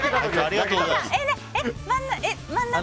真ん中に？